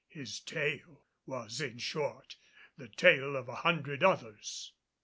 His tale was, in short, the tale of a hundred others.